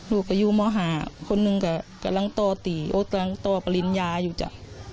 ลูกก็อยู่ม๕คนหนึ่งก็กำลังต่อตีโอ้กำลังต่อปริญญาอยู่จ้ะ